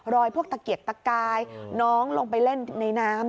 พวกตะเกียกตะกายน้องลงไปเล่นในน้ำ